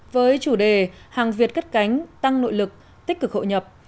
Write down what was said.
với chủ đề hàng việt cất cánh tăng nội lực tích cực hội nhập